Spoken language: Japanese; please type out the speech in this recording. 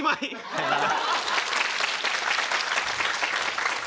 さよなら。